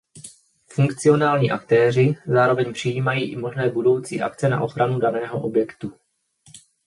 Funkcionální aktéři zároveň přijímají i možné budoucí akce na ochranu daného objektu.